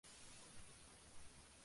El disco se ha reeditado varias veces.